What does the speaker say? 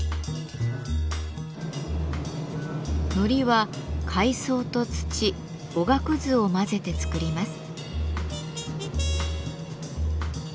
糊は海藻と土おがくずを混ぜて作ります。